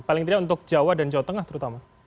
paling tidak untuk jawa dan jawa tengah terutama